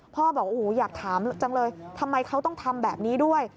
บอกโอ้โหอยากถามจังเลยทำไมเขาต้องทำแบบนี้ด้วย